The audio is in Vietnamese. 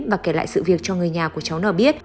và kể lại sự việc cho người nhà của cháu nào biết